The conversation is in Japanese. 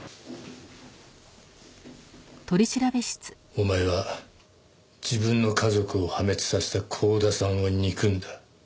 お前は自分の家族を破滅させた光田さんを憎んだ。